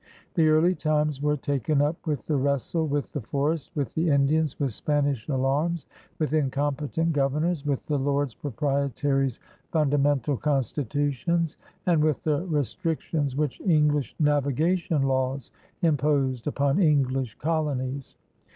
The early times were taken up with the wrestle with the forest, with the Indians, with Spanish alarms, with in competent governors, with the Lords Proprietaries* Fundamental Constitutions, and with the restric tions which English Navigation Laws imposed up on English colonies.